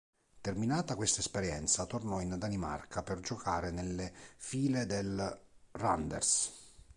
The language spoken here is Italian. Terminata questa esperienza, tornò in Danimarca per giocare nelle file del Randers.